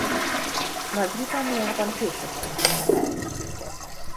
Nagy-Britanniában hősökként ünnepelték őket.